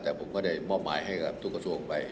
แต่ผมก็ได้มอบหมายให้กับทุกกระทรวงไป